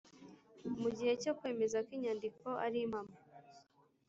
Mu gihe cyo kwemeza ko inyandiko ari mpamo